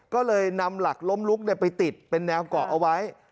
ก็เลยนำหลักล้มลุกไปติดเป็นแนวเกาะเอาไว้